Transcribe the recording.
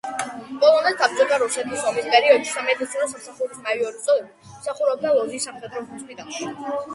პოლონეთ-საბჭოთა რუსეთის ომის პერიოდში სამედიცინო სამსახურის მაიორის წოდებით, მსახურობდა ლოძის სამხედრო ჰოსპიტალში.